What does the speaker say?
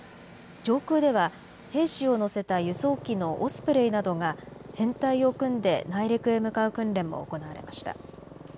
上空では兵士を乗せた輸送機のオスプレイなどが編隊を組んで内陸へ向かう訓練も行われました。